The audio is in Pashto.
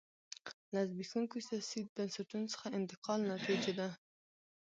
له زبېښونکو سیاسي بنسټونو څخه انتقال نتیجه ده.